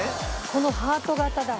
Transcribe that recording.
このハート形だ。